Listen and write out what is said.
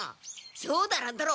そうだ乱太郎！